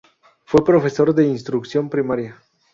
Fue profesor de instrucción primaria.